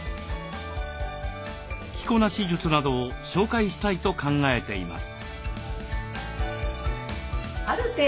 着こなし術などを紹介したいと考えています。